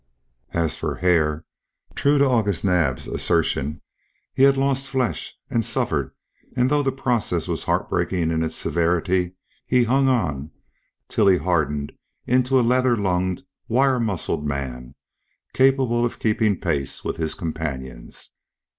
As for Hare, true to August Naab's assertion, he had lost flesh and suffered, and though the process was heartbreaking in its severity, he hung on till he hardened into a leather lunged, wire muscled man, capable of keeping pace with his companions.